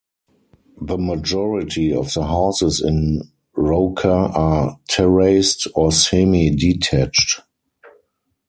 The majority of the houses in Roker are terraced or semi-detached.